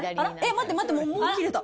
待って待って、もう切れた。